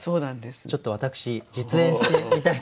ちょっと私実演してみたいと思います。